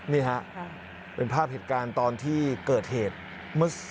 นี่ครับเป็นภาพเหตุการณ์ตอนที่เกิดเหตุ